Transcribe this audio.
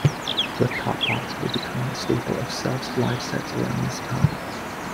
"Flip-Top Box" would become a staple of Self's live sets around this time.